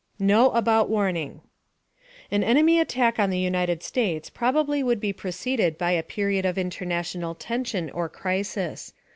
KNOW ABOUT WARNING An enemy attack on the United States probably would be preceded by a period of international tension or crisis.